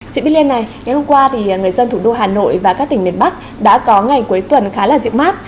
chị bích liên này ngày hôm qua thì người dân thủ đô hà nội và các tỉnh miền bắc đã có ngày cuối tuần khá là dịu mát